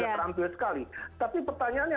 terampil sekali tapi pertanyaannya